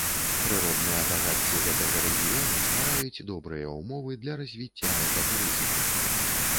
Прыродныя багацці гэтага рэгіёна ствараюць добрыя ўмовы для развіцця экатурызму.